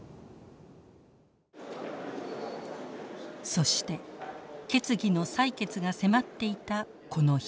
そして決議の採決が迫っていたこの日。